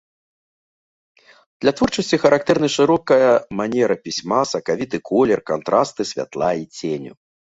Для творчасці характэрны шырокая манера пісьма, сакавіты колер, кантрасты святла і ценю.